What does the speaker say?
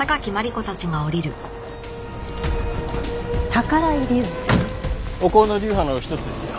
宝居流？お香の流派の一つですよ。